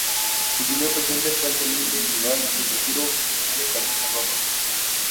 Su primer presidente fue el teniente general en retiro, Julio Canessa Robert.